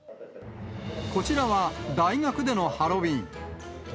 こちらは、大学でのハロウィーン。